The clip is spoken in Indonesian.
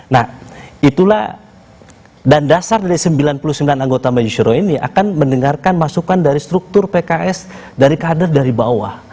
nah itulah dan dasar dari sembilan puluh sembilan anggota majelis syuro ini akan mendengarkan masukan dari struktur pks dari kader dari bawah